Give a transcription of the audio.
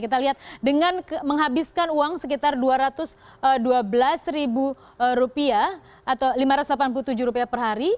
kita lihat dengan menghabiskan uang sekitar dua ratus dua belas ribu rupiah atau lima ratus delapan puluh tujuh rupiah per hari